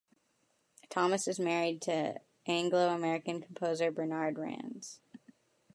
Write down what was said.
Thomas is married to Anglo-American composer Bernard Rands.